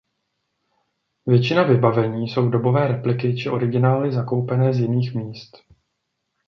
Většina vybavení jsou dobové repliky či originály zakoupené z jiných míst.